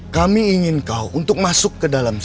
kami ingin kau untuk masuk ke dalam